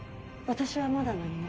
私はまだ何も。